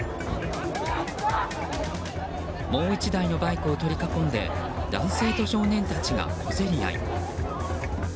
もう１台のバイクを取り囲んで男性と少年たちが小競り合い。